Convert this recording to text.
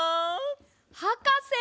はかせ！